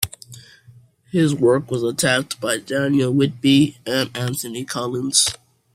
His work was attacked by Daniel Whitby and Anthony Collins.